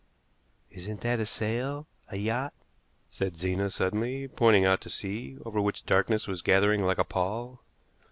"Isn't that a sail a yacht?" said Zena suddenly, pointing out to sea, over which darkness was gathering like a pall.